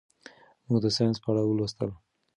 موږ د ساینس په اړه ولوستل.